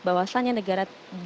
bahwasannya negara g dua puluh